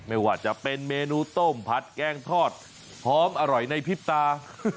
ไม่ว่าจะเป็นเมนูต้มผัดแกงทอดหอมอร่อยในพริบตา